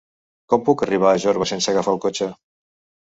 Com puc arribar a Jorba sense agafar el cotxe?